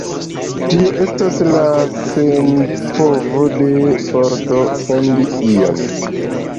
Tio estas la senpovo de forto fondi ion.